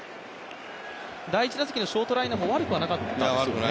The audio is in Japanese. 第１打席のショートライナーも悪くはなかったですよね。